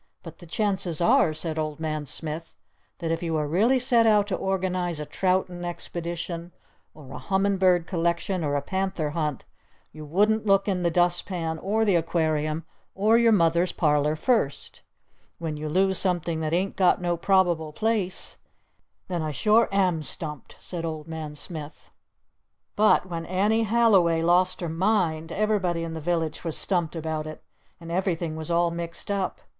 But the chances are," said Old Man Smith, "that if you really set out to organize a troutin' expedition or a hummin' bird collection or a panther hunt you wouldn't look in the dust pan or the Aquarium or your Mother's parlor first! When you lose something that ain't got no Probable Place then I sure am stumped!" said Old Man Smith. But when Annie Halliway lost her mind, everybody in the village was stumped about it. And everything was all mixed up.